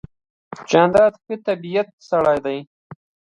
جانداد د ښه طبیعت سړی دی.